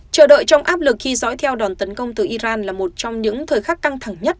chờ đợi trong áp lực khi dõi theo đòn tấn công từ iran là một trong những thời khắc căng thẳng nhất